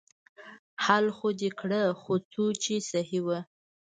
حل خو دې کړه خو څو يې صيي وه.